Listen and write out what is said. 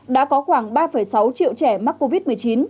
đã có khoảng ba sáu triệu trẻ mắc covid một mươi chín